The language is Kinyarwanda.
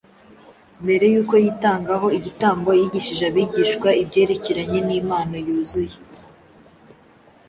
Mbere y’uko yitangaho igitambo, yigishije abigishwa be ibyerekeranye n’impano yuzuye